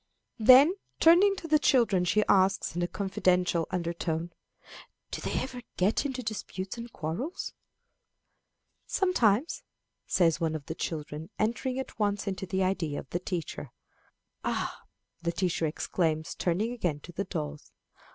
Then, turning to the children, she asks, in a confidential undertone, "Do they ever get into disputes and quarrels?" "Sometimes," says one of the children, entering at once into the idea of the teacher. "Ah!" the teacher exclaims, turning again to the dolls.